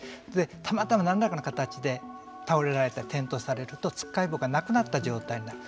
たまたま何らかの形で倒れられて転倒されるとつっかえ棒がなくなった状態になる。